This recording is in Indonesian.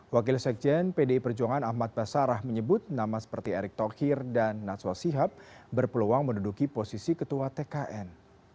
wakil sekjen pdi perjuangan ahmad basarah menyebut nama seperti erick thokir dan natwa sihab berpeluang menduduki posisi ketua tkn